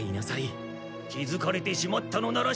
気づかれてしまったのならしかたない。